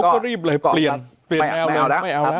เขาก็รีบเลยเปลี่ยนไม่เอาแล้ว